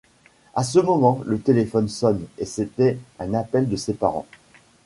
À ce moment, le téléphone sonne, et c'était un appel de ses parents.